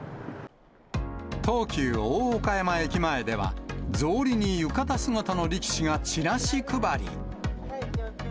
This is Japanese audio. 東急大岡山駅前では、草履に浴衣姿の力士がチラシ配り。